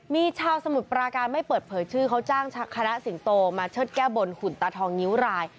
มีชาวสมุทรปราการไม่เปิดเผยชื่อเขาจ้างคณะสิงโตมาเชิดแก้บนหุ่นตาทองนิ้วราย